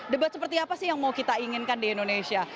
debat seperti apa sih yang mau kita inginkan di indonesia